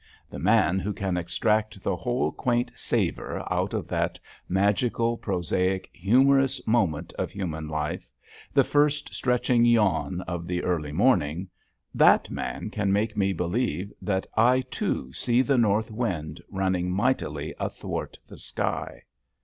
The man who can extract the whole quaint savor out of that magical, prosaic, humorous moment of human life, the first stretching yawn of the early morning, that man can make me believe that I too see the north wind running mightily athwart the sky.